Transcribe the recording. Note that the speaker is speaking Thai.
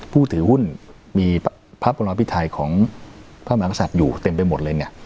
ผู้ถือหุ้นมีพระบริษัทพิทัยของพระบริษัทอยู่เต็มไปหมดเลยเนี่ย